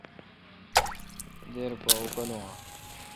دیر پا اوکالوں ا۔